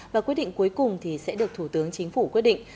và quyết định cuối cùng thì sẽ được thủ tướng chính phủ quyết định